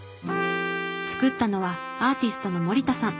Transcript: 作ったのはアーティストの森田さん。